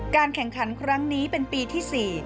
แข่งขันครั้งนี้เป็นปีที่๔